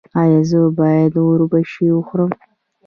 ایا زه باید اوربشې وخورم؟